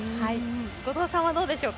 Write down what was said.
後藤さんはどうでしょう？